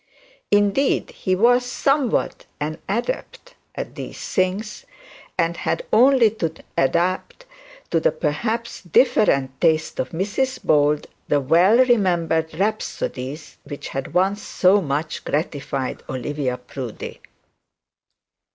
Indeed he was somewhat an adept at these things, and had only to adapt to the perhaps different taste of Mrs Bold the well remembered rhapsodies which had once so much gratified Olivia Proudie.